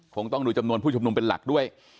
คงต้องดูจำนวนผู้ชุมนุมเป็นหลักด้วย